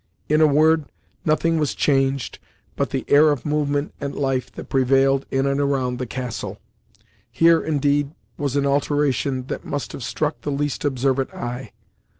In a word, nothing was changed, but the air of movement and life that prevailed in and around the castle. Here, indeed, was an alteration that must have struck the least observant eye.